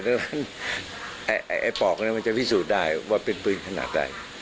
ดังนั้นไอ้ปอกนั้นมันจะพิสูจน์ได้ว่าเป็นปืนขนาดใด